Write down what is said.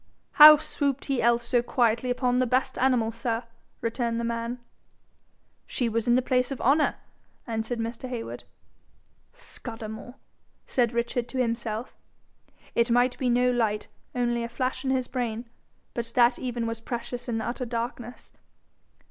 'How swooped he else so quietly upon the best animal, sir?' returned the man. 'She was in the place of honour,' answered Mr. Heywood. 'Scudamore!' said Richard to himself. It might be no light only a flash in his brain. But that even was precious in the utter darkness.